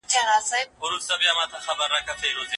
د پوهنې په سیستم کي د فساد د مخنیوي لپاره کوم ګامونه پورته سوي؟